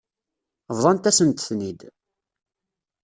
Bḍant-asent-ten-id.